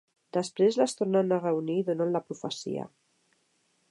Després les tornen a reunir i donen la profecia.